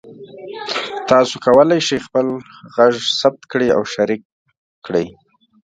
تاسو کولی شئ خپل غږ ثبت کړئ او شریک کړئ.